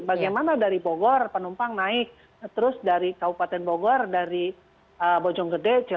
bagaimana dari bogor penumpang naik terus dari kabupaten bogor dari bojonggede